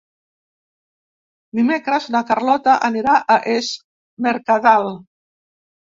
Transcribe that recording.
Dimecres na Carlota anirà a Es Mercadal.